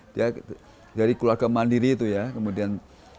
dia dari keluarga mandiri itu ya kemudian